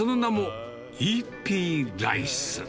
その名もＥ・Ｐライス。